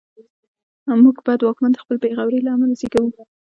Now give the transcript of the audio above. موږ بد واکمن د خپلې بېغورۍ له امله زېږوو.